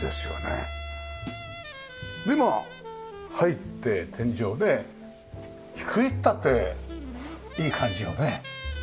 でまあ入って天井ね低いったっていい感じよね。